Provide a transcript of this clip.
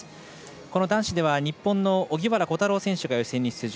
この男子では日本の荻原選手が予選に出場。